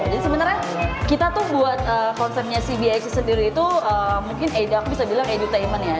jadi sebenarnya kita tuh buat konsepnya si bx sendiri itu mungkin aku bisa bilang edutainment ya